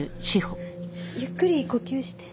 ゆっくり呼吸して。